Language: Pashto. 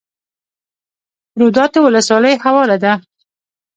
روداتو ولسوالۍ هواره ده؟